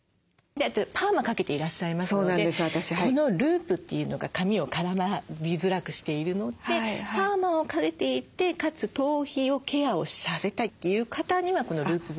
パーマかけていらっしゃいますのでこのループというのが髪を絡みづらくしているのでパーマをかけていてかつ頭皮をケアをされたいという方にはこのループブラシ。